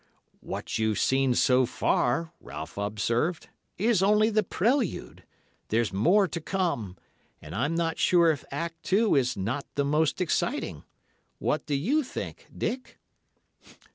"'What you've seen so far,' Ralph observed, 'is only the prelude. There's more to come, and I'm not sure if Act II. is not the most exciting. What do you think, Dick?